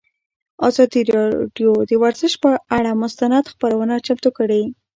ازادي راډیو د ورزش پر اړه مستند خپرونه چمتو کړې.